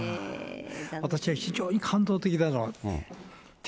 私は非常に感動的だなと思って。